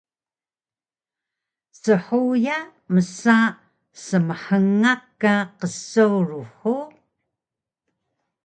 Shuya msa smhngak ka qsurux hug?